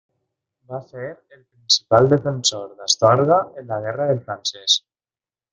Va ser el principal defensor d'Astorga en la guerra del francès.